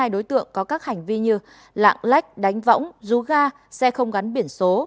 hai mươi đối tượng có các hành vi như lạng lách đánh võng rú ga xe không gắn biển số